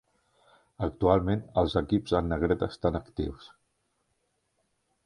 Actualment els equips en negreta estan actius.